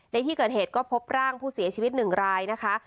ในที่เกิดเหตุก็พบร่างผู้เสียชีวิต๑รายนะคะ